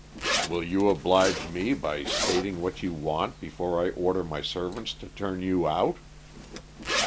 "Will you oblige me by stating what you want before I order my servants to turn you out?"